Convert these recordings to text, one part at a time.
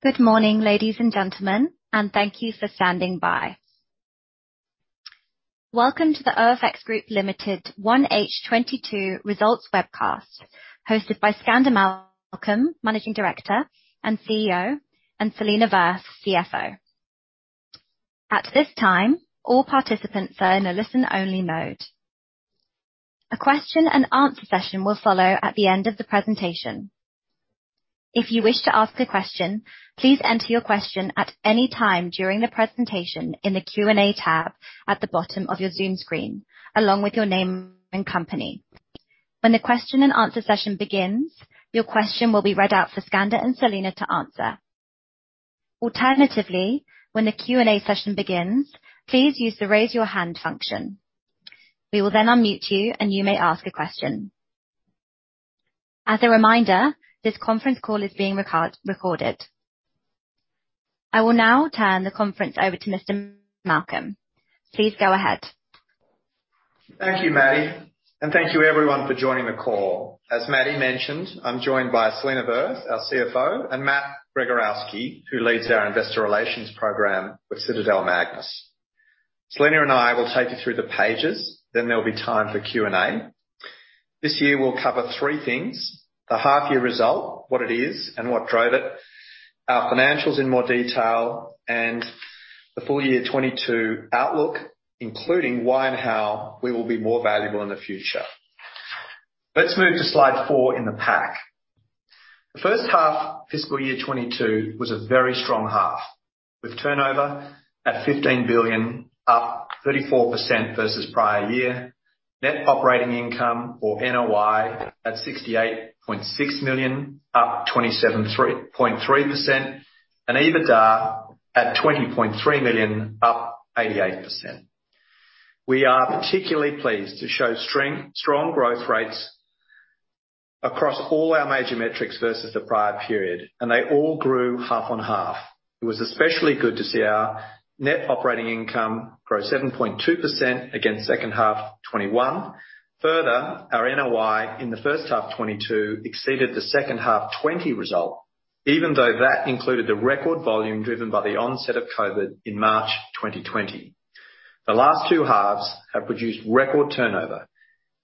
Good morning, ladies and gentlemen, and thank you for standing by. Welcome to the OFX Group Limited 1H22 results webcast, hosted by Skander Malcolm, Managing Director and CEO, and Selena Verth, CFO. At this time, all participants are in a listen-only mode. A question and answer session will follow at the end of the presentation. If you wish to ask a question, please enter your question at any time during the presentation in the Q&A tab at the bottom of your Zoom screen, along with your name and company. When the question and answer session begins, your question will be read out for Skander and Selena to answer. Alternatively, when the Q&A session begins, please use the Raise Your Hand function. We will then unmute you, and you may ask a question. As a reminder, this conference call is being recorded. I will now turn the conference over to Mr. Malcolm. Please go ahead. Thank you, Maddie. Thank you everyone for joining the call. As Maddie mentioned, I'm joined by Selena Verth, our CFO, and Matt Gregorowski, who leads our investor relations program with Citadel-MAGNUS. Selena and I will take you through the pages, then there'll be time for Q&A. This year we'll cover three things, the half year result, what it is and what drove it, our financials in more detail, and the full year twenty-two outlook, including why and how we will be more valuable in the future. Let's move to slide 4 in the pack. The first half FY 2022 was a very strong half, with turnover at 15 billion, up 34% versus prior year. Net operating income, or NOI, at 68.6 million, up 27.3%. EBITDA at 20.3 million, up 88%. We are particularly pleased to show strong growth rates across all our major metrics versus the prior period, and they all grew half on half. It was especially good to see our net operating income grow 7.2% against second half 2021. Further, our NOI in the first half of 2022 exceeded the second half 2020 result, even though that included the record volume driven by the onset of COVID in March 2020. The last two halves have produced record turnover,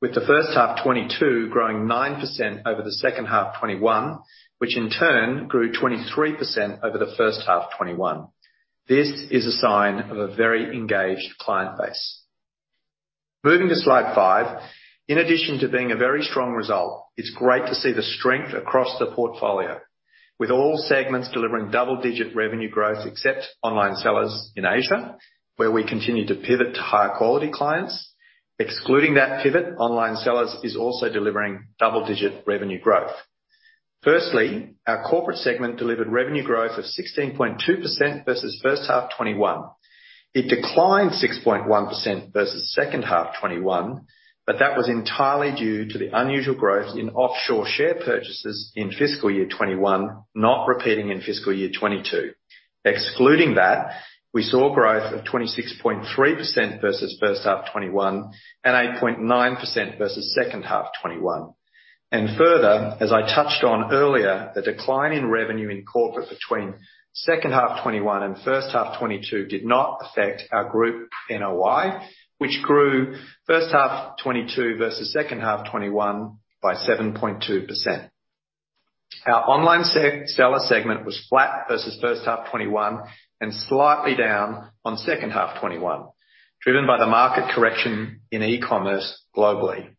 with the first half 2022 growing 9% over the second half 2021, which in turn grew 23% over the first half 2021. This is a sign of a very engaged client base. Moving to slide five. In addition to being a very strong result, it's great to see the strength across the portfolio, with all segments delivering double-digit revenue growth except online sellers in Asia, where we continue to pivot to higher quality clients. Excluding that pivot, online sellers is also delivering double-digit revenue growth. Firstly, our corporate segment delivered revenue growth of 16.2% versus 1H21. It declined 6.1% versus 2H21, but that was entirely due to the unusual growth in offshore share purchases in FY 2021, not repeating in FY 2022. Excluding that, we saw growth of 26.3% versus 1H21, and 8.9% versus 2H21. Further, as I touched on earlier, the decline in revenue in Corporate between 2H21 and 1H22 did not affect our group NOI, which grew 1H22 vs. 2H21 by 7.2%. Our Online Seller segment was flat vs. 1H21 and slightly down on 2H21, driven by the market correction in e-commerce globally.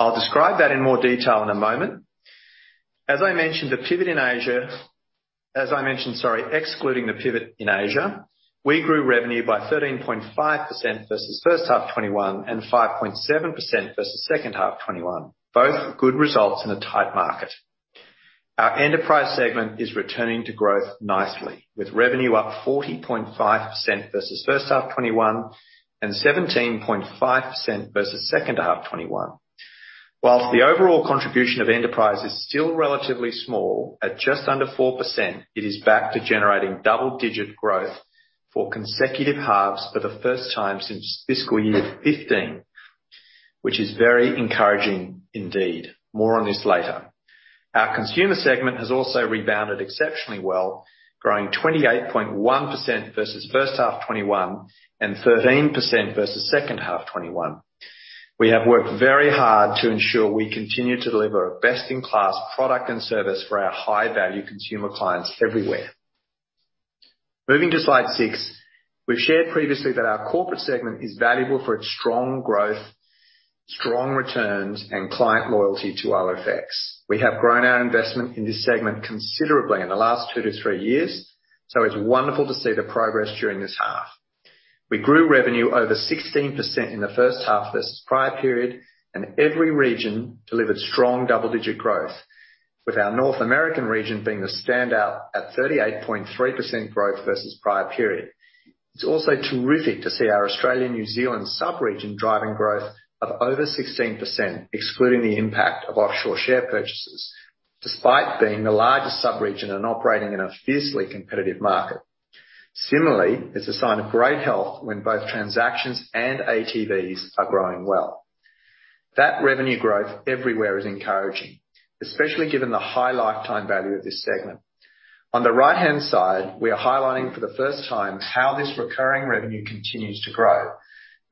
I'll describe that in more detail in a moment. As I mentioned, sorry, excluding the pivot in Asia, we grew revenue by 13.5% vs. 1H21, and 5.7% vs. 2H21. Both good results in a tight market. Our Enterprise segment is returning to growth nicely, with revenue up 40.5% vs. 1H21, and 17.5% vs. 2H21. While the overall contribution of enterprise is still relatively small at just under 4%, it is back to generating double-digit growth for consecutive halves for the first time since fiscal year 2015, which is very encouraging indeed. More on this later. Our consumer segment has also rebounded exceptionally well, growing 28.1% versus first half 2021, and 13% versus second half 2021. We have worked very hard to ensure we continue to deliver a best-in-class product and service for our high value consumer clients everywhere. Moving to slide 6. We've shared previously that our corporate segment is valuable for its strong growth, strong returns, and client loyalty to OFX. We have grown our investment in this segment considerably in the last 2-3 years, so it's wonderful to see the progress during this half. We grew revenue over 16% in the first half versus prior period, and every region delivered strong double-digit growth, with our North American region being the standout at 38.3% growth versus prior period. It's also terrific to see our Australian/New Zealand sub-region driving growth of over 16%, excluding the impact of offshore share purchases, despite being the largest sub-region and operating in a fiercely competitive market. Similarly, it's a sign of great health when both transactions and ATVs are growing well. That revenue growth everywhere is encouraging, especially given the high lifetime value of this segment. On the right-hand side, we are highlighting for the first time how this recurring revenue continues to grow,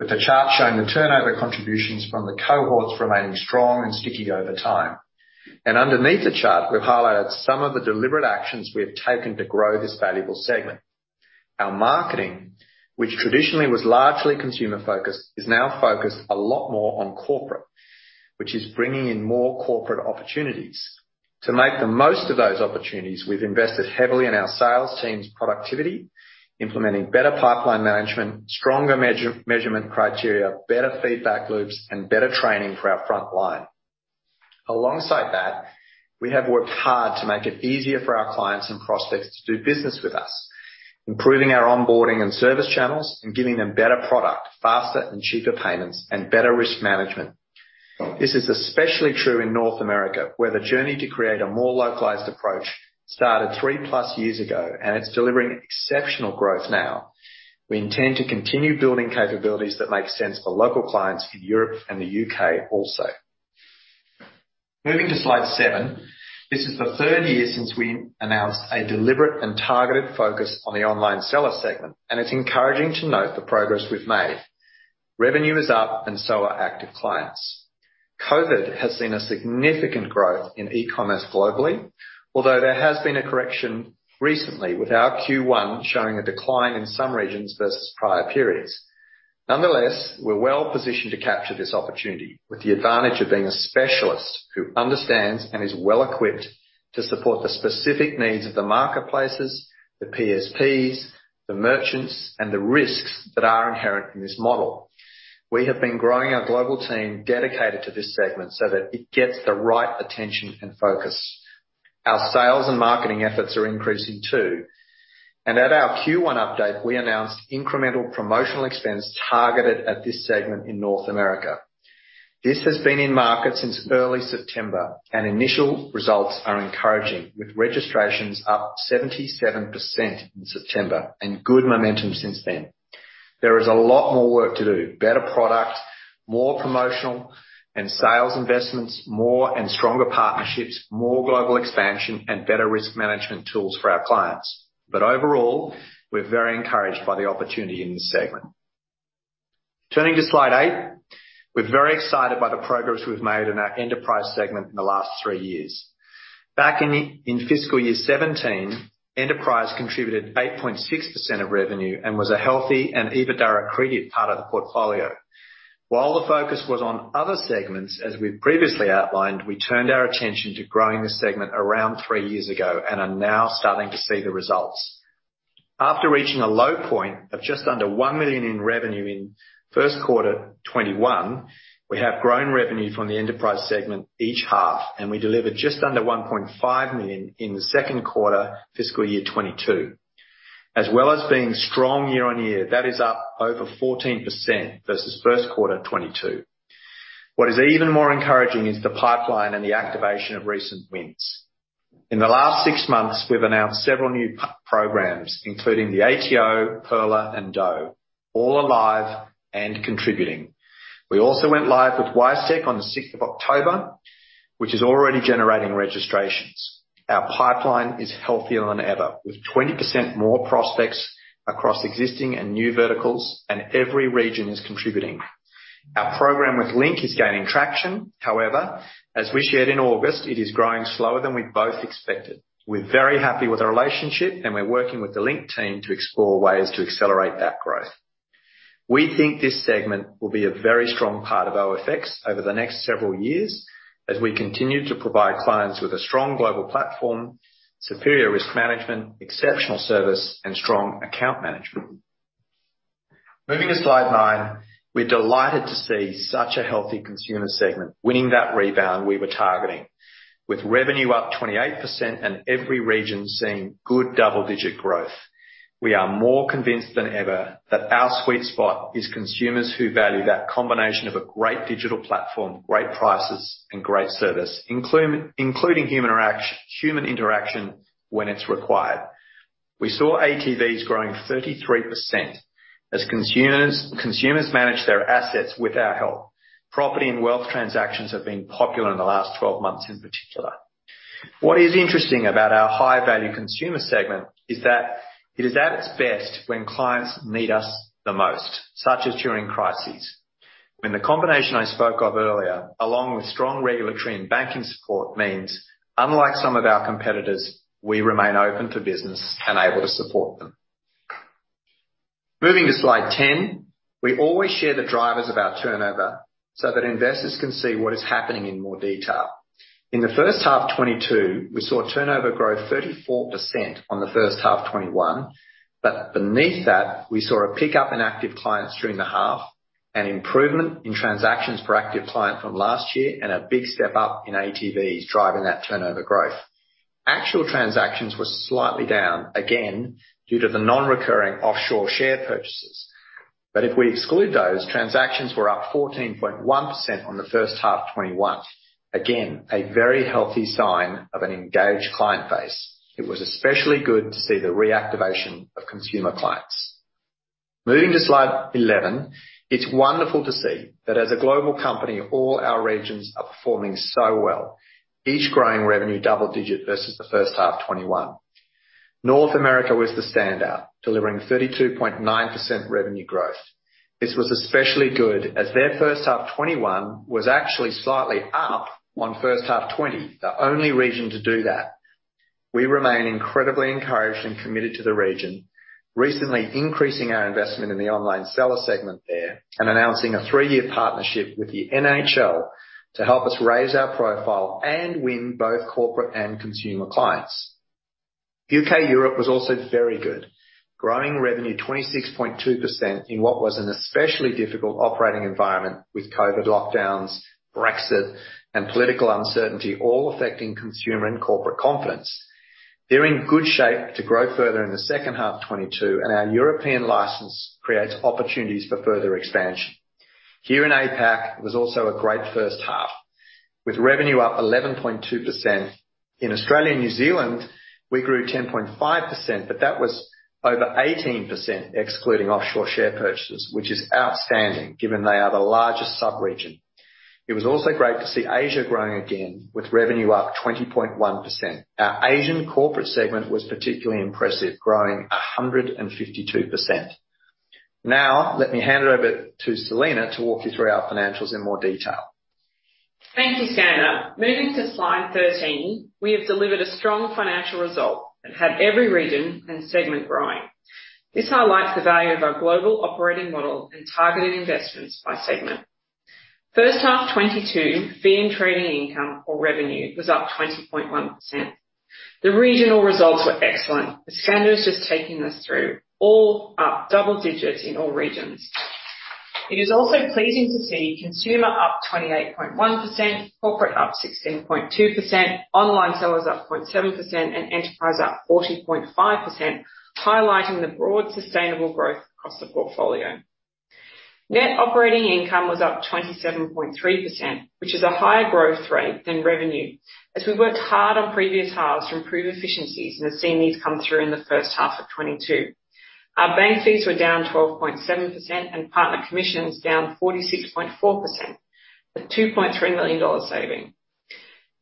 with the chart showing the turnover contributions from the cohorts remaining strong and sticky over time. Underneath the chart, we've highlighted some of the deliberate actions we have taken to grow this valuable segment. Our marketing, which traditionally was largely consumer-focused, is now focused a lot more on corporate, which is bringing in more corporate opportunities. To make the most of those opportunities, we've invested heavily in our sales team's productivity, implementing better pipeline management, stronger measurement criteria, better feedback loops, and better training for our front line. Alongside that, we have worked hard to make it easier for our clients and prospects to do business with us, improving our onboarding and service channels, and giving them better product, faster and cheaper payments, and better risk management. This is especially true in North America, where the journey to create a more localized approach started 3+ years ago, and it's delivering exceptional growth now. We intend to continue building capabilities that make sense for local clients in Europe and the U.K. also. Moving to slide seven. This is the third year since we announced a deliberate and targeted focus on the online seller segment, and it's encouraging to note the progress we've made. Revenue is up and so are active clients. COVID has seen a significant growth in e-commerce globally, although there has been a correction recently, with our Q1 showing a decline in some regions versus prior periods. Nonetheless, we're well-positioned to capture this opportunity with the advantage of being a specialist who understands and is well-equipped to support the specific needs of the marketplaces, the PSPs, the merchants, and the risks that are inherent in this model. We have been growing our global team dedicated to this segment so that it gets the right attention and focus. Our sales and marketing efforts are increasing, too. At our Q1 update, we announced incremental promotional expense targeted at this segment in North America. This has been in market since early September, and initial results are encouraging, with registrations up 77% in September and good momentum since then. There is a lot more work to do, better product, more promotional and sales investments, more and stronger partnerships, more global expansion, and better risk management tools for our clients. Overall, we're very encouraged by the opportunity in this segment. Turning to slide 8. We're very excited by the progress we've made in our enterprise segment in the last three years. Back in fiscal year 2017, enterprise contributed 8.6% of revenue and was a healthy and EBITDA-accretive part of the portfolio. While the focus was on other segments, as we've previously outlined, we turned our attention to growing this segment around three years ago and are now starting to see the results. After reaching a low point of just under 1 million in revenue in first quarter 2021, we have grown revenue from the enterprise segment each half, and we delivered just under 1.5 million in the second quarter fiscal year 2022. As well as being strong year-on-year, that is up over 14% versus first quarter 2022. What is even more encouraging is the pipeline and the activation of recent wins. In the last six months, we've announced several new programs, including the ATO, Pearler, and Douugh, all alive and contributing. We also went live with WiseTech on the sixth of October, which is already generating registrations. Our pipeline is healthier than ever, with 20% more prospects across existing and new verticals, and every region is contributing. Our program with Link is gaining traction. However, as we shared in August, it is growing slower than we both expected. We're very happy with the relationship, and we're working with the Link team to explore ways to accelerate that growth. We think this segment will be a very strong part of OFX over the next several years as we continue to provide clients with a strong global platform, superior risk management, exceptional service, and strong account management. Moving to slide 9. We're delighted to see such a healthy consumer segment winning that rebound we were targeting. With revenue up 28% and every region seeing good double-digit growth, we are more convinced than ever that our sweet spot is consumers who value that combination of a great digital platform, great prices, and great service, including human interaction when it's required. We saw ATVs growing 33% as consumers managed their assets with our help. Property and wealth transactions have been popular in the last 12 months in particular. What is interesting about our high-value consumer segment is that it is at its best when clients need us the most, such as during crises. When the combination I spoke of earlier, along with strong regulatory and banking support means, unlike some of our competitors, we remain open for business and able to support them. Moving to slide 10. We always share the drivers of our turnover so that investors can see what is happening in more detail. In the first half 2022, we saw turnover grow 34% on the first half 2021, but beneath that, we saw a pickup in active clients during the half, an improvement in transactions per active client from last year, and a big step up in ATVs driving that turnover growth. Actual transactions were slightly down, again, due to the non-recurring offshore share purchases. If we exclude those, transactions were up 14.1% on the first half 2021. Again, a very healthy sign of an engaged client base. It was especially good to see the reactivation of consumer clients. Moving to slide 11. It's wonderful to see that as a global company, all our regions are performing so well, each growing revenue double-digit versus the first half 2021. North America was the standout, delivering 32.9% revenue growth. This was especially good as their first half 2021 was actually slightly up on first half 2020. The only region to do that. We remain incredibly encouraged and committed to the region. Recently increasing our investment in the online seller segment there and announcing a 3-year partnership with the NHL to help us raise our profile and win both corporate and consumer clients. U.K. Europe was also very good. Growing revenue 26.2% in what was an especially difficult operating environment with COVID lockdowns, Brexit and political uncertainty all affecting consumer and corporate confidence. They're in good shape to grow further in the second half 2022, and our European license creates opportunities for further expansion. Here in APAC was also a great first half. With revenue up 11.2%. In Australia and New Zealand, we grew 10.5%, but that was over 18% excluding offshore share purchases, which is outstanding given they are the largest sub region. It was also great to see Asia growing again with revenue up 20.1%. Our Asian corporate segment was particularly impressive, growing 152%. Now let me hand it over to Selena to walk you through our financials in more detail. Thank you, Skander. Moving to slide 13. We have delivered a strong financial result and had every region and segment growing. This highlights the value of our global operating model and targeted investments by segment. 1H22, fee and trading income or revenue was up 20.1%. The regional results were excellent, as Skander was just taking us through. All up double digits in all regions. It is also pleasing to see consumer up 28.1%, corporate up 16.2%, online sellers up 0.7% and enterprise up 40.5%, highlighting the broad sustainable growth across the portfolio. Net operating income was up 27.3%, which is a higher growth rate than revenue, as we worked hard on previous halves to improve efficiencies and have seen these come through in the first half of 2022. Our bank fees were down 12.7% and partner commissions down 46.4%. 2.3 million dollars saving.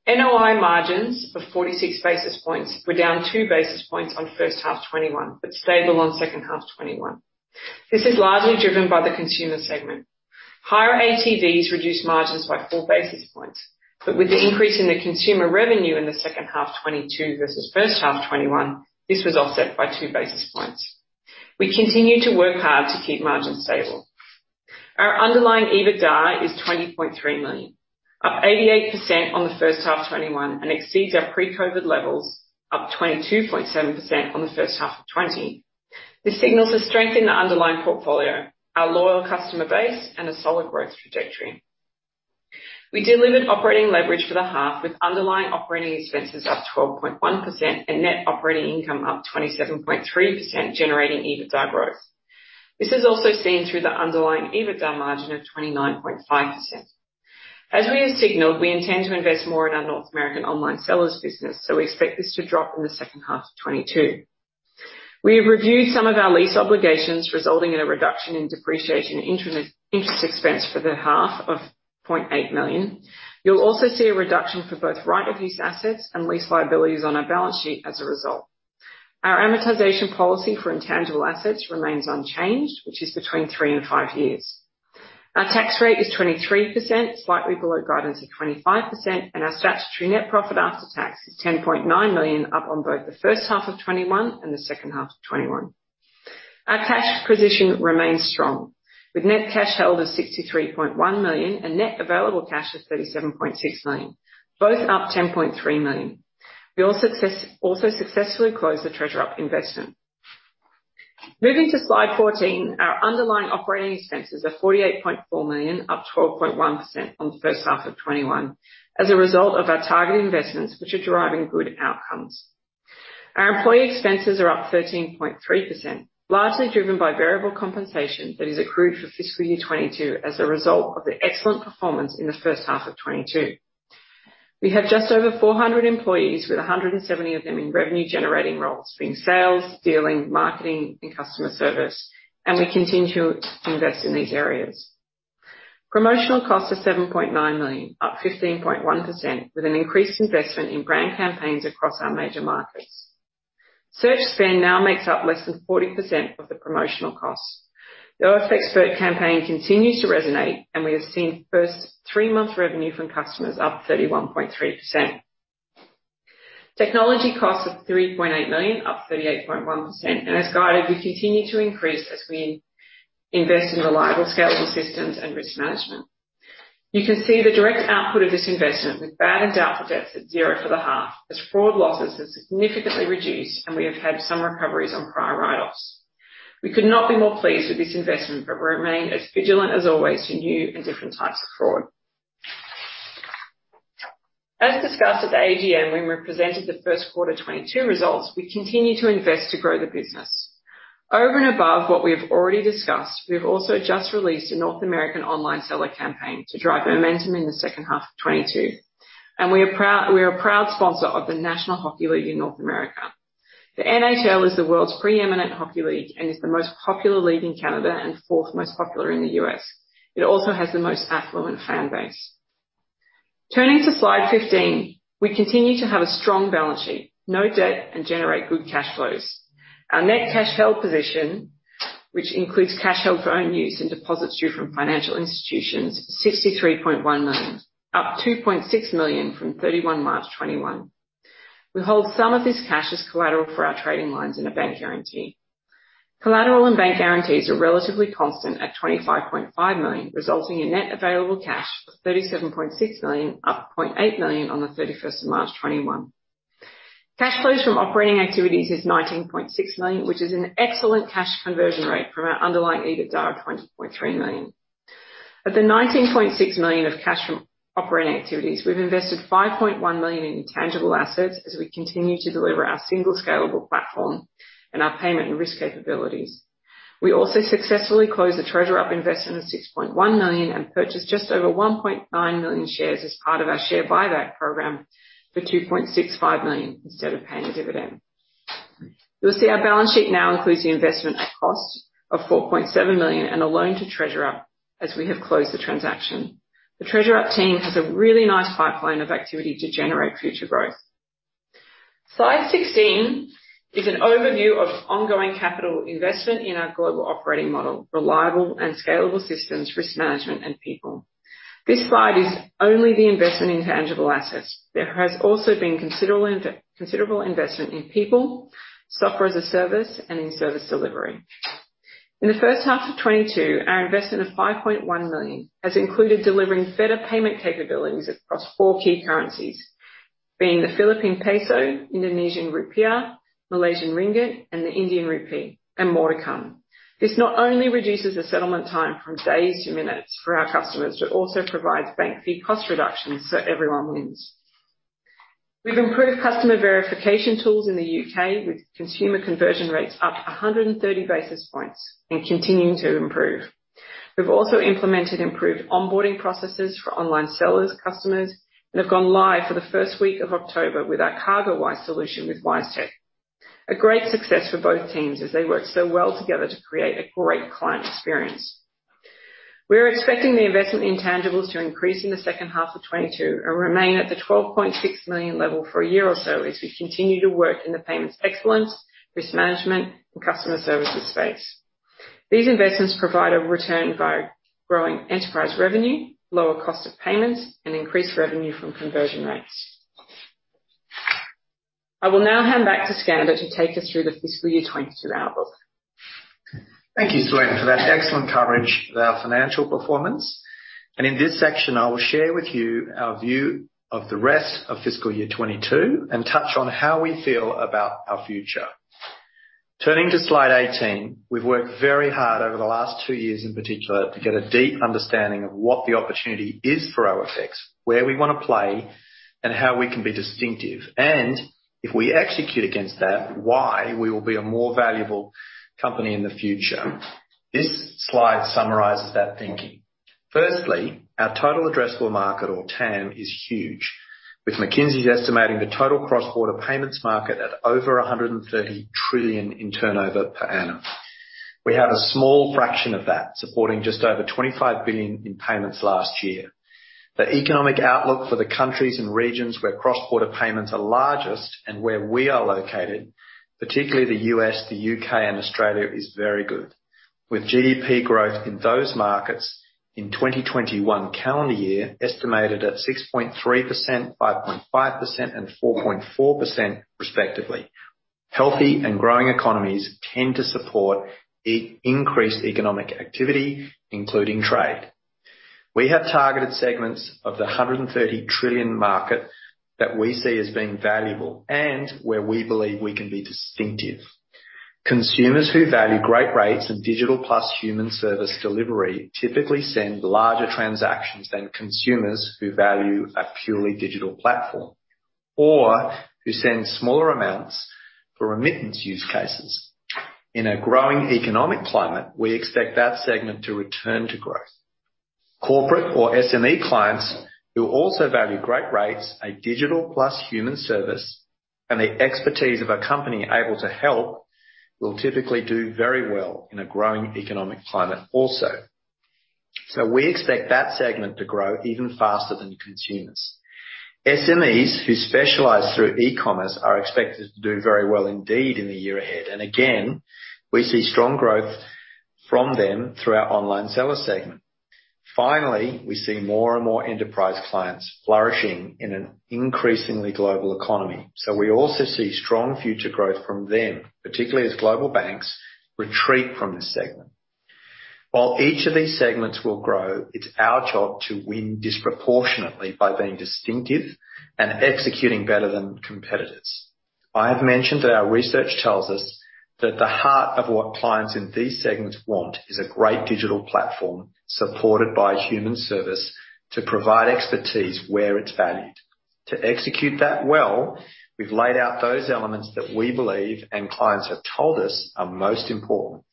NOI margins of 46 basis points were down 2 basis points on first half 2021, but stable on second half 2021. This is largely driven by the consumer segment. Higher ATVs reduced margins by 4 basis points, but with the increase in the consumer revenue in the second half 2022 versus first half 2021, this was offset by 2 basis points. We continue to work hard to keep margins stable. Our underlying EBITDA is 20.3 million, up 88% on the first half 2021, and exceeds our pre-COVID levels, up 22.7% on the first half of 2020. This signals a strength in the underlying portfolio, our loyal customer base and a solid growth trajectory. We delivered operating leverage for the half with underlying operating expenses up 12.1% and net operating income up 27.3%, generating EBITDA growth. This is also seen through the underlying EBITDA margin of 29.5%. As we have signaled, we intend to invest more in our North American online sellers business, so we expect this to drop in the second half of 2022. We reviewed some of our lease obligations, resulting in a reduction in depreciation and interest expense for the half of 0.8 million. You'll also see a reduction for both right of use assets and lease liabilities on our balance sheet as a result. Our amortization policy for intangible assets remains unchanged, which is between three and five years. Our tax rate is 23%, slightly below guidance of 25%, and our statutory net profit after tax is 10.9 million up on both the first half of 2021 and the second half of 2021. Our cash position remains strong, with net cash held of 63.1 million and net available cash of 37.6 million, both up 10.3 million. We also successfully closed the TreasurUp investment. Moving to slide 14. Our underlying operating expenses are 48.4 million, up 12.1% on the first half of 2021 as a result of our targeted investments which are deriving good outcomes. Our employee expenses are up 13.3%, largely driven by variable compensation that is accrued for fiscal year 2022 as a result of the excellent performance in the first half of 2022. We have just over 400 employees, with 170 of them in revenue generating roles, being sales, dealing, marketing and customer service, and we continue to invest in these areas. Promotional costs are 7.9 million, up 15.1% with an increased investment in brand campaigns across our major markets. Search spend now makes up less than 40% of the promotional costs. The OFXpert campaign continues to resonate and we have seen first 3-month revenue from customers up 31.3%. Technology costs of 3.8 million, up 38.1%, and as guided, we continue to increase as we invest in reliable scalable systems and risk management. You can see the direct output of this investment with bad and doubtful debts at zero for the half, as fraud losses have significantly reduced and we have had some recoveries on prior write-offs. We could not be more pleased with this investment, but remain as vigilant as always to new and different types of fraud. As discussed at the AGM, when we presented the first quarter 2022 results, we continue to invest to grow the business. Over and above what we have already discussed, we have also just released a North American online seller campaign to drive momentum in the second half of 2022. We are proud, we are a proud sponsor of the National Hockey League in North America. The NHL is the world's pre-eminent hockey league and is the most popular league in Canada and fourth most popular in the U.S. It also has the most affluent fan base. Turning to slide 15. We continue to have a strong balance sheet, no debt, and generate good cash flows. Our net cash held position, which includes cash held for own use and deposits due from financial institutions, 63.1 million, up 2.6 million from 31 March 2021. We hold some of this cash as collateral for our trading lines in a bank guarantee. Collateral and bank guarantees are relatively constant at 25.5 million, resulting in net available cash of 37.6 million, up 0.8 million on the 31st of March 2021. Cash flows from operating activities is 19.6 million, which is an excellent cash conversion rate from our underlying EBITDA of 20.3 million. Of the 19.6 million of cash from operating activities, we've invested 5.1 million in intangible assets as we continue to deliver our single scalable platform and our payment and risk capabilities. We also successfully closed the TreasurUp investment of 6.1 million and purchased just over 1.9 million shares as part of our share buyback program for 2.65 million instead of paying a dividend. You'll see our balance sheet now includes the investment at cost of 4.7 million and a loan to TreasurUp as we have closed the transaction. The TreasurUp team has a really nice pipeline of activity to generate future growth. Slide 16 is an overview of ongoing capital investment in our global operating model, reliable and scalable systems, risk management, and people. This slide is only the investment in tangible assets. There has also been considerable investment in people, software as a service, and in service delivery. In the first half of 2022, our investment of 5.1 million has included delivering better payment capabilities across four key currencies, being the Philippine peso, Indonesian rupiah, Malaysian ringgit, and the Indian rupee, and more to come. This not only reduces the settlement time from days to minutes for our customers, but also provides bank fee cost reductions so everyone wins. We've improved customer verification tools in the U.K. with consumer conversion rates up 130 basis points and continuing to improve. We've also implemented improved onboarding processes for online sellers, customers, and have gone live for the first week of October with our CargoWise solution with WiseTech. A great success for both teams as they work so well together to create a great client experience. We're expecting the investment in tangibles to increase in the second half of 2022 and remain at the 12.6 million level for a year or so as we continue to work in the payments excellence, risk management, and customer services space. These investments provide a return via growing enterprise revenue, lower cost of payments, and increased revenue from conversion rates. I will now hand back to Skander to take us through the fiscal year 2022 outlook. Thank you, Selena, for that excellent coverage of our financial performance. In this section, I will share with you our view of the rest of fiscal year 2022 and touch on how we feel about our future. Turning to slide 18. We've worked very hard over the last 2 years, in particular, to get a deep understanding of what the opportunity is for OFX, where we wanna play, and how we can be distinctive. If we execute against that, why we will be a more valuable company in the future. This slide summarizes that thinking. Firstly, our total addressable market, or TAM, is huge, with McKinsey estimating the total cross-border payments market at over 130 trillion in turnover per annum. We have a small fraction of that, supporting just over 25 billion in payments last year. The economic outlook for the countries and regions where cross-border payments are largest and where we are located, particularly the U.S., the U.K. and Australia, is very good, with GDP growth in those markets in 2021 calendar year estimated at 6.3%, 5.5%, and 4.4% respectively. Healthy and growing economies tend to support increased economic activity, including trade. We have targeted segments of the $130 trillion market that we see as being valuable and where we believe we can be distinctive. Consumers who value great rates and digital plus human service delivery typically send larger transactions than consumers who value a purely digital platform or who send smaller amounts for remittance use cases. In a growing economic climate, we expect that segment to return to growth. Corporate or SME clients who also value great rates, a digital plus human service, and the expertise of a company able to help, will typically do very well in a growing economic climate also. We expect that segment to grow even faster than consumers. SMEs who specialize through e-commerce are expected to do very well indeed in the year ahead. Again, we see strong growth from them through our online seller segment. Finally, we see more and more enterprise clients flourishing in an increasingly global economy. We also see strong future growth from them, particularly as global banks retreat from this segment. While each of these segments will grow, it's our job to win disproportionately by being distinctive and executing better than competitors. I have mentioned that our research tells us that the heart of what clients in these segments want is a great digital platform supported by human service to provide expertise where it's valued. To execute that well, we've laid out those elements that we believe and clients have told us are most important.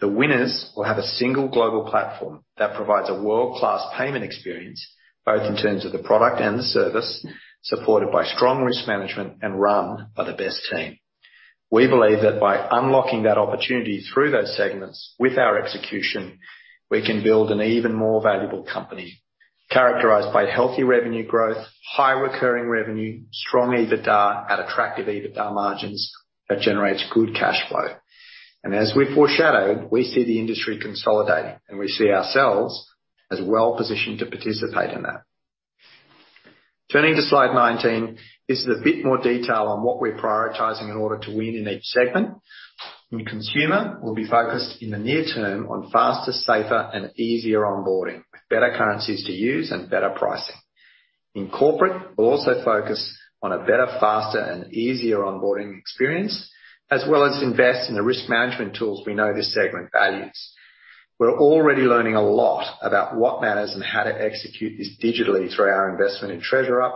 The winners will have a single global platform that provides a world-class payment experience, both in terms of the product and the service, supported by strong risk management and run by the best team. We believe that by unlocking that opportunity through those segments with our execution, we can build an even more valuable company characterized by healthy revenue growth, high recurring revenue, strong EBITDA at attractive EBITDA margins that generates good cash flow. As we foreshadowed, we see the industry consolidating, and we see ourselves as well-positioned to participate in that. Turning to slide 19, this is a bit more detail on what we're prioritizing in order to win in each segment. In consumer, we'll be focused in the near term on faster, safer, and easier onboarding, with better currencies to use and better pricing. In corporate, we'll also focus on a better, faster, and easier onboarding experience, as well as invest in the risk management tools we know this segment values. We're already learning a lot about what matters and how to execute this digitally through our investment in TreasurUp,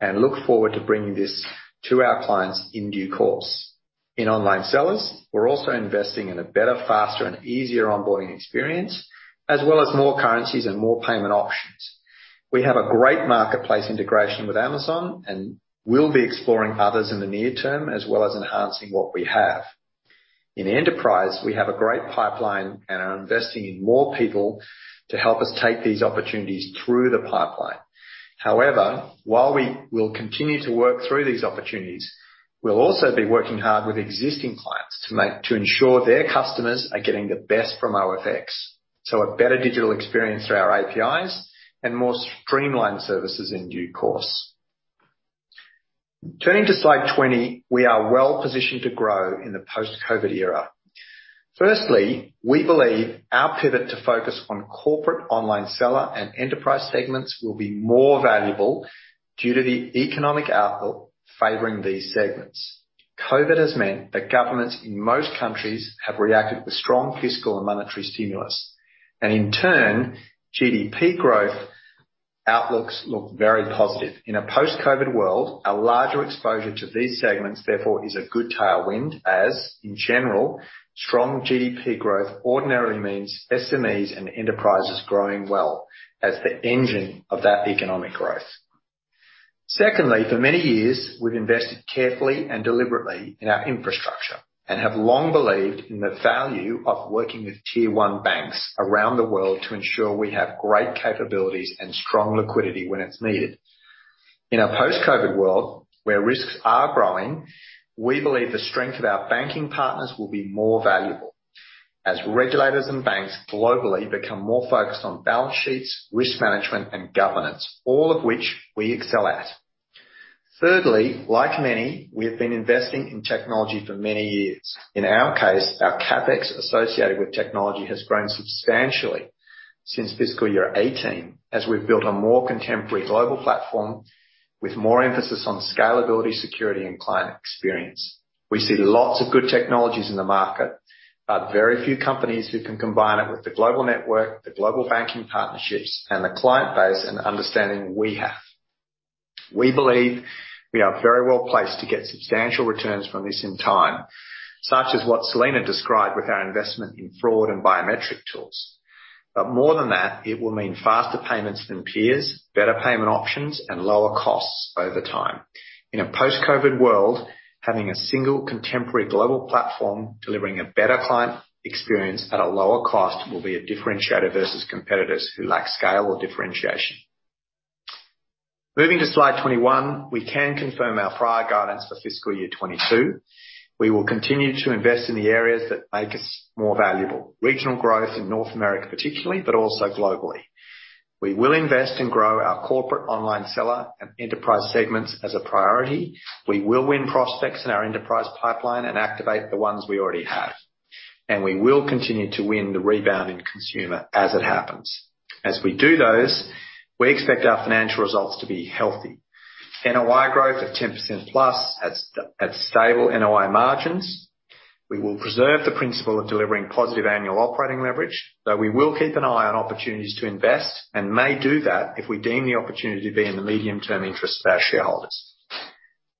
and look forward to bringing this to our clients in due course. In online sellers, we're also investing in a better, faster, and easier onboarding experience, as well as more currencies and more payment options. We have a great marketplace integration with Amazon, and we'll be exploring others in the near term, as well as enhancing what we have. In enterprise, we have a great pipeline and are investing in more people to help us take these opportunities through the pipeline. However, while we will continue to work through these opportunities, we'll also be working hard with existing clients to ensure their customers are getting the best from OFX. A better digital experience through our APIs and more streamlined services in due course. Turning to slide 20, we are well positioned to grow in the post-COVID era. Firstly, we believe our pivot to focus on corporate, online seller, and enterprise segments will be more valuable due to the economic output favoring these segments. COVID has meant that governments in most countries have reacted with strong fiscal and monetary stimulus, and in turn, GDP growth outlooks look very positive. In a post-COVID world, a larger exposure to these segments, therefore, is a good tailwind, as in general, strong GDP growth ordinarily means SMEs and enterprises growing well as the engine of that economic growth. Secondly, for many years, we've invested carefully and deliberately in our infrastructure and have long believed in the value of working with tier one banks around the world to ensure we have great capabilities and strong liquidity when it's needed. In a post-COVID world where risks are growing, we believe the strength of our banking partners will be more valuable. As regulators and banks globally become more focused on balance sheets, risk management, and governance, all of which we excel at. Thirdly, like many, we have been investing in technology for many years. In our case, our CapEx associated with technology has grown substantially since fiscal year 2018 as we've built a more contemporary global platform with more emphasis on scalability, security, and client experience. We see lots of good technologies in the market, but very few companies who can combine it with the global network, the global banking partnerships, and the client base and understanding we have. We believe we are very well placed to get substantial returns from this in time, such as what Selena described with our investment in fraud and biometric tools. More than that, it will mean faster payments than peers, better payment options, and lower costs over time. In a post-COVID world, having a single contemporary global platform delivering a better client experience at a lower cost will be a differentiator versus competitors who lack scale or differentiation. Moving to slide 21, we can confirm our prior guidance for fiscal year 2022. We will continue to invest in the areas that make us more valuable, regional growth in North America particularly, but also globally. We will invest and grow our corporate online seller and enterprise segments as a priority. We will win prospects in our enterprise pipeline and activate the ones we already have. We will continue to win the rebound in consumer as it happens. As we do those, we expect our financial results to be healthy. NOI growth of 10%+ at stable NOI margins. We will preserve the principle of delivering positive annual operating leverage, though we will keep an eye on opportunities to invest and may do that if we deem the opportunity to be in the medium-term interest of our shareholders.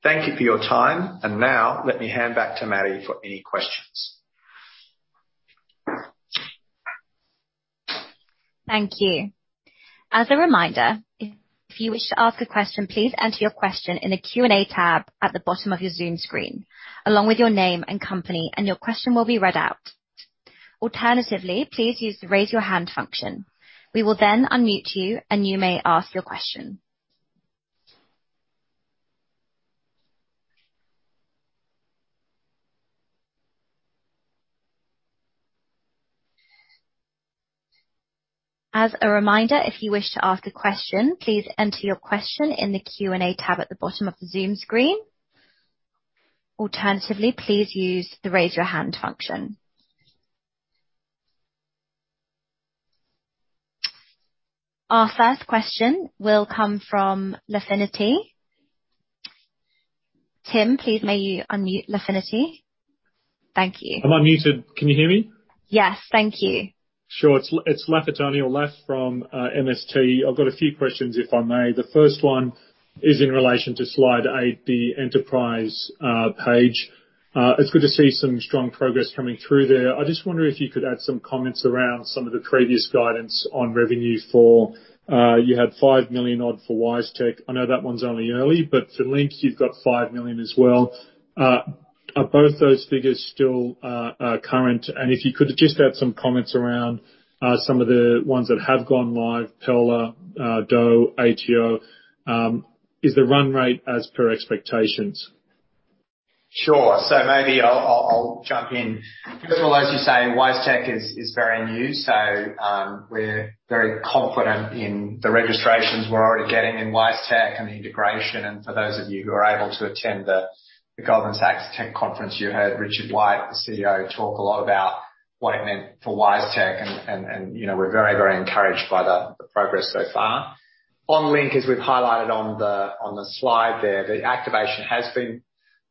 Thank you for your time. Now let me hand back to Maddie for any questions. Thank you. As a reminder, if you wish to ask a question, please enter your question in the Q&A tab at the bottom of your Zoom screen, along with your name and company, and your question will be read out. Alternatively, please use the raise your hand function. We will then unmute you, and you may ask your question. Our first question will come from Lafferty. Tim, please may you unmute Lafferty. Thank you. Am I unmuted? Can you hear me? Yes, thank you. Sure. It's Lafitani or Laf from MST. I've got a few questions, if I may. The first one is in relation to Slide 8, the enterprise page. It's good to see some strong progress coming through there. I just wonder if you could add some comments around some of the previous guidance on revenue. You had 5 million odd for WiseTech. I know that one's only early, but for Link you've got 5 million as well. Are both those figures still current? If you could just add some comments around some of the ones that have gone live, Pearler, Douugh, ATO. Is the run rate as per expectations? Sure. So maybe I'll jump in. First of all, as you say, WiseTech is very new, so we're very confident in the registrations we're already getting in WiseTech and the integration. For those of you who are able to attend the Goldman Sachs Tech Conference, you heard Richard White, CEO, talk a lot about what it meant for WiseTech. We're very encouraged by the progress so far. On Link, as we've highlighted on the slide there, the activation has been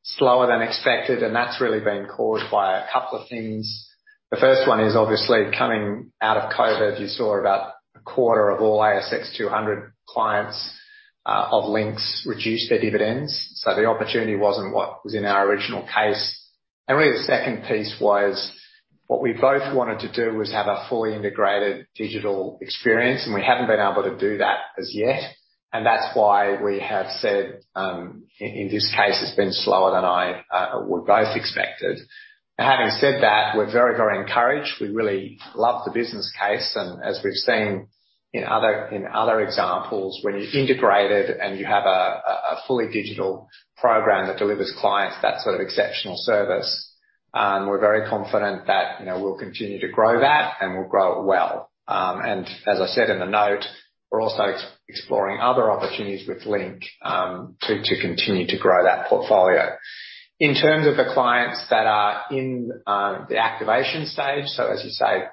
slower than expected, and that's really been caused by a couple of things. The first one is obviously coming out of COVID. You saw about a quarter of all ASX 200 clients of Link's reduce their dividends. The opportunity wasn't what was in our original case. Really the second piece was what we both wanted to do was have a fully integrated digital experience, and we haven't been able to do that as yet. That's why we have said, in this case, it's been slower than I or we both expected. Having said that, we're very encouraged. We really love the business case, and as we've seen in other examples, when you're integrated and you have a fully digital program that delivers clients that sort of exceptional service, we're very confident that, you know, we'll continue to grow that and we'll grow it well. As I said in the note, we're also exploring other opportunities with Link to continue to grow that portfolio. In terms of the clients that are in the activation stage, so as you say,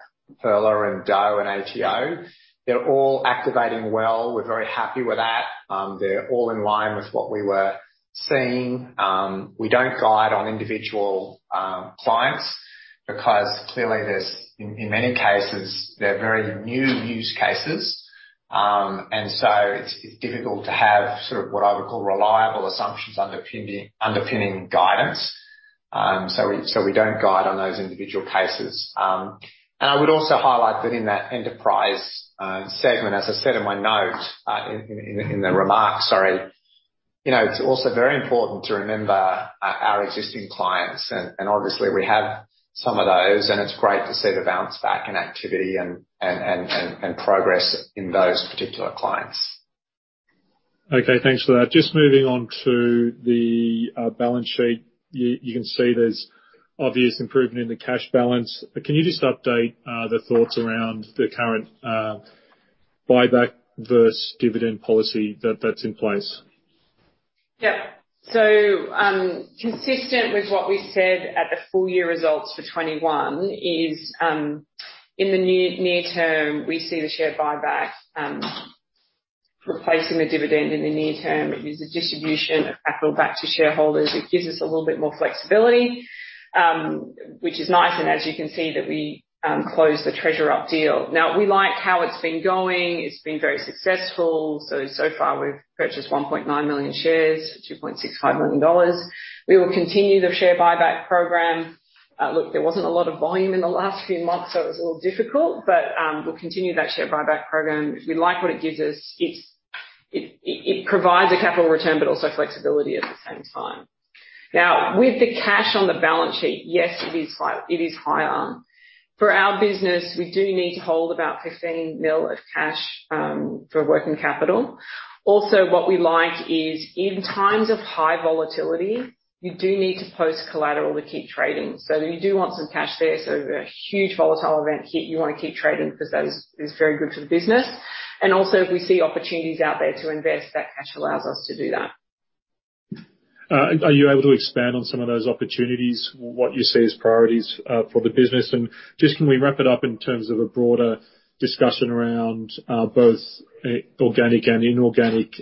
Pearler and Douugh and ATO, they're all activating well. We're very happy with that. They're all in line with what we were seeing. We don't guide on individual clients because clearly, in many cases, they're very new use cases. It's difficult to have sort of what I would call reliable assumptions underpinning guidance. We don't guide on those individual cases. I would also highlight that in that enterprise segment, as I said in my note, in the remarks, sorry, you know, it's also very important to remember our existing clients and obviously we have some of those, and it's great to see the bounce back in activity and progress in those particular clients. Okay, thanks for that. Just moving on to the balance sheet. You can see there's obvious improvement in the cash balance. Can you just update the thoughts around the current buyback versus dividend policy that's in place? Yeah. Consistent with what we said at the full year results for 2021 is, in the near term, we see the share buyback replacing the dividend in the near term. It is a distribution of capital back to shareholders. It gives us a little bit more flexibility, which is nice, and as you can see that we closed the TreasurUp deal. Now, we like how it's been going. It's been very successful. So far we've purchased 1.9 million shares for 2.65 million dollars. We will continue the share buyback program. Look, there wasn't a lot of volume in the last few months, so it was a little difficult, but we'll continue that share buyback program. We like what it gives us. It provides a capital return but also flexibility at the same time. Now, with the cash on the balance sheet, yes, it is high, it is higher. For our business, we do need to hold about 15 million of cash for working capital. Also, what we like is in times of high volatility, you do need to post collateral to keep trading. You do want some cash there, so if a huge volatile event hit, you wanna keep trading 'cause that is very good for the business. If we see opportunities out there to invest, that cash allows us to do that. Are you able to expand on some of those opportunities, what you see as priorities, for the business? Just can we wrap it up in terms of a broader discussion around both organic and inorganic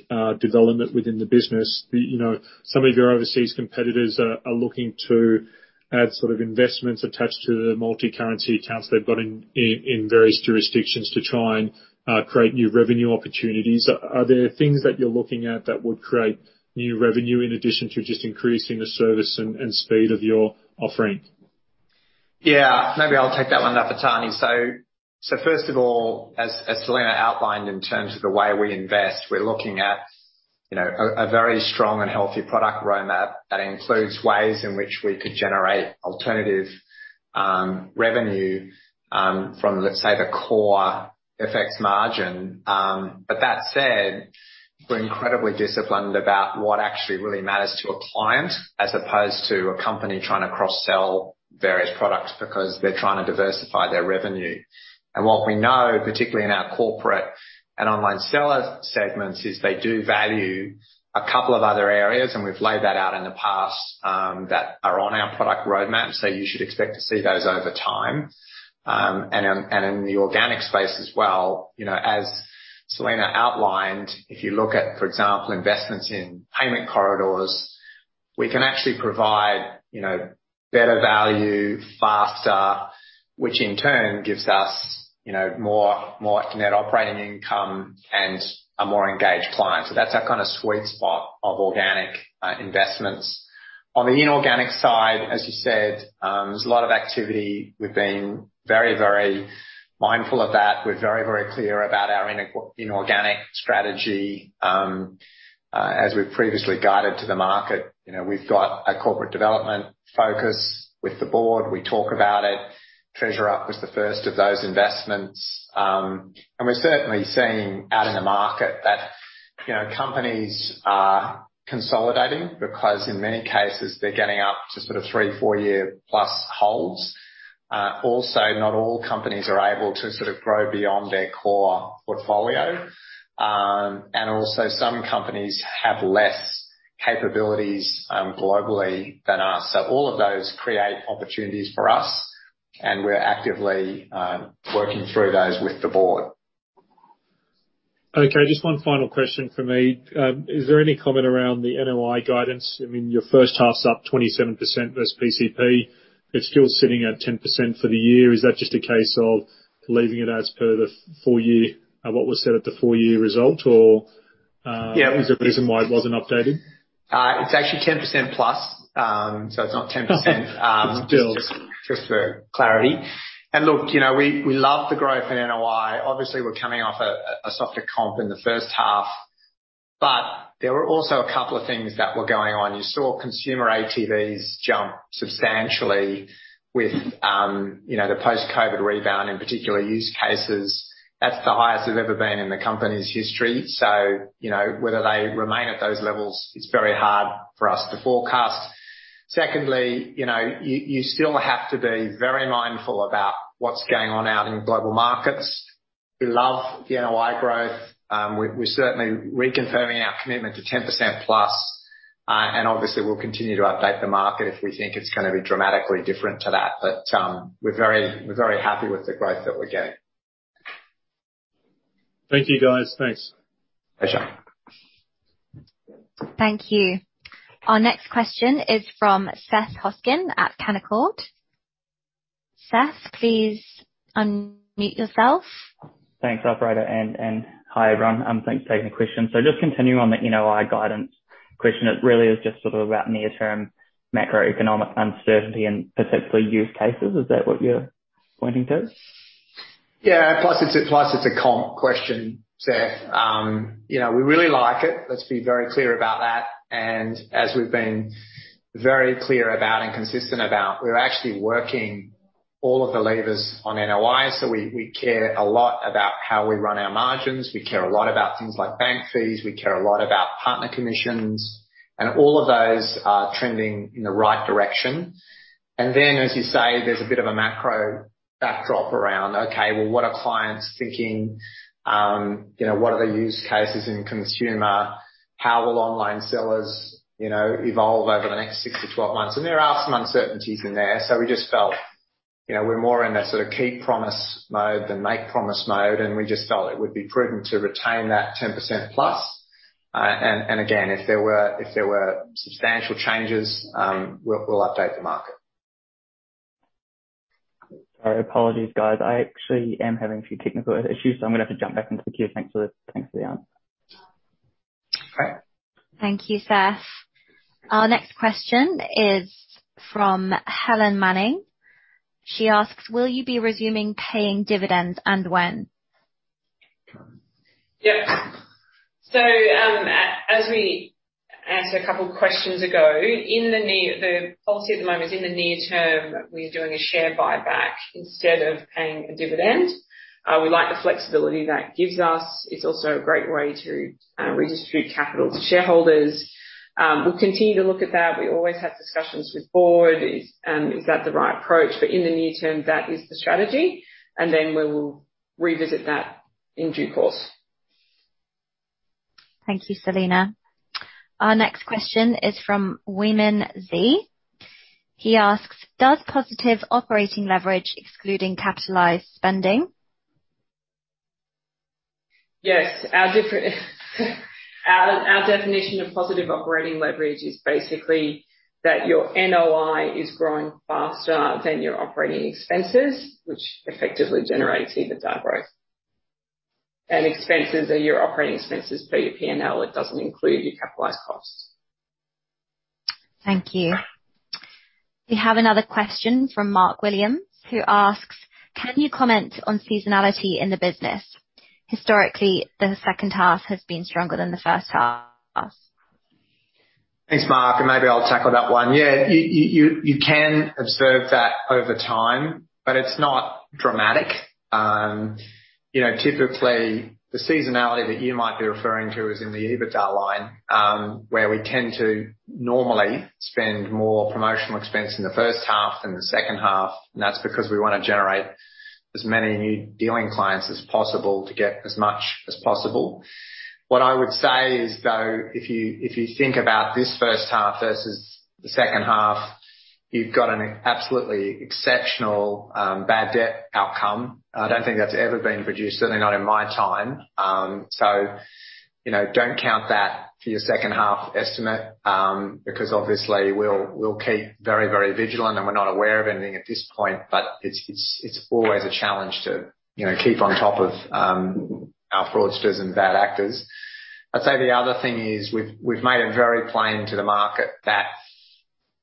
development within the business? You know, some of your overseas competitors are looking to add sort of investments attached to the multi-currency accounts they've got in various jurisdictions to try and create new revenue opportunities. Are there things that you're looking at that would create new revenue in addition to just increasing the service and speed of your offering? Yeah. Maybe I'll take that one, Lafitani. First of all, as Selena outlined in terms of the way we invest, we're looking at, you know, a very strong and healthy product roadmap that includes ways in which we could generate alternative revenue from, let's say, the core FX margin. That said, we're incredibly disciplined about what actually really matters to a client as opposed to a company trying to cross-sell various products because they're trying to diversify their revenue. What we know, particularly in our corporate and online seller segments, is they do value a couple of other areas, and we've laid that out in the past that are on our product roadmap. You should expect to see those over time. In the organic space as well, you know, as Selena outlined, if you look at, for example, investments in payment corridors, we can actually provide, you know, better value faster, which in turn gives us, you know, more net operating income and a more engaged client. So that's our kind of sweet spot of organic investments. On the inorganic side, as you said, there's a lot of activity. We've been very, very mindful of that. We're very, very clear about our inorganic strategy, as we've previously guided to the market. You know, we've got a corporate development focus with the board. We talk about it. TreasurUp was the first of those investments. We're certainly seeing out in the market that, you know, companies are consolidating because in many cases they're getting up to sort of 3- or 4-year-plus holds. Also, not all companies are able to sort of grow beyond their core portfolio. Also some companies have less capabilities, globally than us. All of those create opportunities for us, and we're actively working through those with the board. Okay, just one final question from me. Is there any comment around the NOI guidance? I mean, your first half's up 27% versus PCP. It's still sitting at 10% for the year. Is that just a case of leaving it as per the full year, what was set at the full year result or, Yeah. Is there a reason why it wasn't updated? It's actually 10%+. It's not 10%. Still. Just for clarity. Look, you know, we love the growth in NOI. Obviously, we're coming off a softer comp in the first half, but there were also a couple of things that were going on. You saw consumer ATVs jump substantially with, you know, the post-COVID rebound, in particular use cases. That's the highest they've ever been in the company's history. You know, whether they remain at those levels, it's very hard for us to forecast. Secondly, you know, you still have to be very mindful about what's going on out in global markets. We love the NOI growth. We're certainly reconfirming our commitment to 10%+, and obviously we'll continue to update the market if we think it's gonna be dramatically different to that. We're very happy with the growth that we're getting. Thank you, guys. Thanks. Pleasure. Thank you. Our next question is from Seth Hoskin at Canaccord. Seth, please unmute yourself. Thanks, operator, and hi, everyone. Thanks for taking the question. Just continuing on the NOI guidance question, it really is just sort of about near-term macroeconomic uncertainty and particularly use cases. Is that what you're pointing to? Yeah, it's a comp question, Seth. You know, we really like it. Let's be very clear about that. As we've been very clear about and consistent about, we're actually working all of the levers on NOI. We care a lot about how we run our margins. We care a lot about things like bank fees. We care a lot about partner commissions. All of those are trending in the right direction. As you say, there's a bit of a macro backdrop around, okay, well, what are clients thinking? You know, what are the use cases in consumer? How will online sellers, you know, evolve over the next 6 to 12 months? There are some uncertainties in there. We just felt, you know, we're more in a sort of keep promise mode than make promise mode, and we just felt it would be prudent to retain that 10% plus. And again, if there were substantial changes, we'll update the market. Sorry, apologies, guys. I actually am having a few technical issues, so I'm gonna have to jump back into the queue. Thanks for the answer. All right. Thank you, Seth. Our next question is from Helen Manning. She asks, "Will you be resuming paying dividends and when? Yeah. As we answered a couple of questions ago, the policy at the moment is in the near term, we're doing a share buyback instead of paying a dividend. We like the flexibility that gives us. It's also a great way to redistribute capital to shareholders. We'll continue to look at that. We always have discussions with board. Is that the right approach? In the near term, that is the strategy, and then we will revisit that in due course. Thank you, Selena. Our next question is from Lafitani Sotiriou. He asks, "Does positive operating leverage excluding capitalized spending? Yes. Our definition of positive operating leverage is basically that your NOI is growing faster than your operating expenses, which effectively generates EBITDA growth. Expenses are your operating expenses for your P&L. It doesn't include your capitalized costs. Thank you. We have another question from Mark Williams, who asks, "Can you comment on seasonality in the business? Historically, the second half has been stronger than the first half. Thanks, Mark, and maybe I'll tackle that one. Yeah. You can observe that over time, but it's not dramatic. You know, typically the seasonality that you might be referring to is in the EBITDA line, where we tend to normally spend more promotional expense in the first half than the second half, and that's because we wanna generate as many new dealing clients as possible to get as much as possible. What I would say is, though, if you think about this first half versus the second half. You've got an absolutely exceptional, bad debt outcome. I don't think that's ever been produced, certainly not in my time. So, you know, don't count that for your second half estimate, because obviously we'll keep very, very vigilant, and we're not aware of anything at this point. It's always a challenge to, you know, keep on top of our fraudsters and bad actors. I'd say the other thing is we've made it very plain to the market that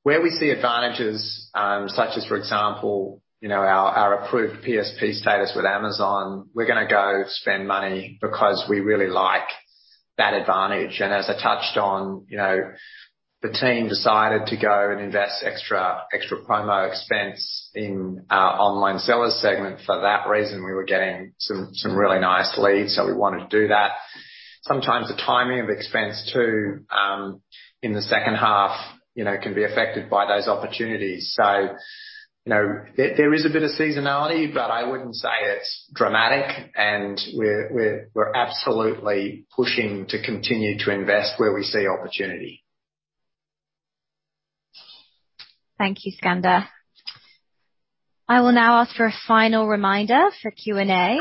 where we see advantages, such as, for example, you know, our approved PSP status with Amazon, we're gonna go spend money because we really like that advantage. As I touched on, you know, the team decided to go and invest extra promo expense in our online sellers segment. For that reason, we were getting some really nice leads, so we wanted to do that. Sometimes the timing of expense too, in the second half, you know, can be affected by those opportunities. You know, there is a bit of seasonality, but I wouldn't say it's dramatic. We're absolutely pushing to continue to invest where we see opportunity. Thank you, Skander. I will now ask for a final reminder for Q&A.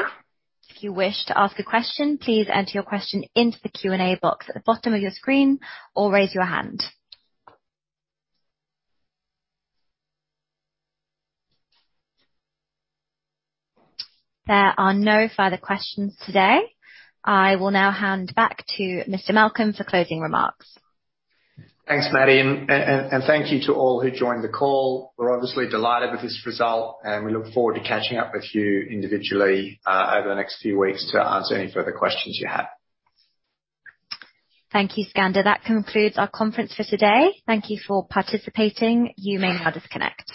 If you wish to ask a question, please enter your question into the Q&A box at the bottom of your screen or raise your hand. There are no further questions today. I will now hand back to Mr. Malcolm for closing remarks. Thanks, Maddie, and thank you to all who joined the call. We're obviously delighted with this result, and we look forward to catching up with you individually over the next few weeks to answer any further questions you have. Thank you, Skander. That concludes our conference for today. Thank you for participating. You may now disconnect.